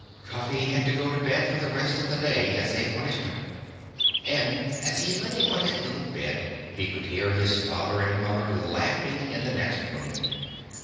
Cuffy had to go to bed for the rest of the day, as a punishment. And as he lay on his little bed he could hear his father and mother laughing in the next room.